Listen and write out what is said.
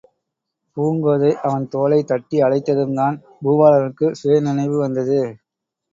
பூங்கோதை அவன் தோளைத் தட்டி அழைத்ததும்தான், பூபாலனுக்குச் சுயநினைவு வந்தது.